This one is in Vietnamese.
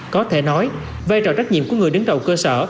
có thể nói vai trò trách nhiệm của người đứng đầu cơ sở